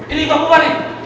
ini gue bubar nih